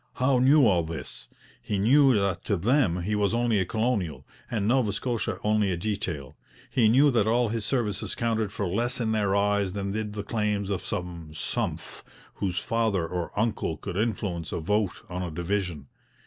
Howe knew all this; he knew that to them he was only a colonial, and Nova Scotia only a detail; he knew that all his services counted for less in their eyes than did the claims of some 'sumph' whose father or uncle could influence a vote on a division.